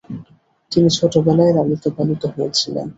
তিনি ছোটবেলায় লালিত পালিত হয়েছিলেন।